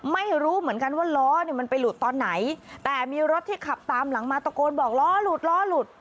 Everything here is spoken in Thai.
ไม่รู้เหมือนกันว่าล้อเนี่ยมันไปหลุดตอนไหนแต่มีรถที่ขับตามหลังมาตะโกนบอกล้อหลุดล้อหลุด